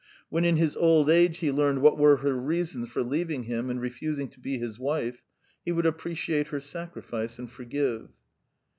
When in his old age he learned what were her reasons for leaving him and refusing to be his wife, he would appreciate her sacrifice and forgive.